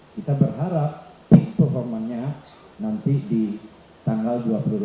kita berharap peak performanya nanti di tanggal dua puluh delapan